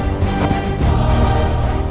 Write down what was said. aku belum pernah melihat